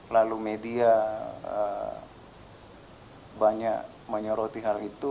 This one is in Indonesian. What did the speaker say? lalu media banyak menyoroti hal itu